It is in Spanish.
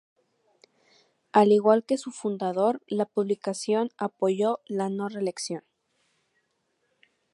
Al igual que su fundador, la publicación apoyó la no reelección.